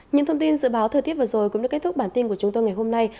những thông tin dự báo thời tiết vừa rồi cũng đã kết thúc bản tin của chúng tôi ngày hôm nay